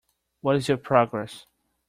What is your progress?